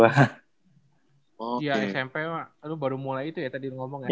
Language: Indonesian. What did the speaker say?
iya smp lu baru mulai itu ya tadi lu ngomong ya